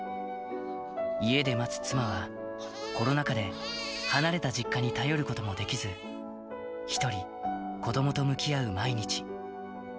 家で待つ妻は、コロナ禍で離れた実家に頼ることもできず、一人、子どもと向き合う毎日。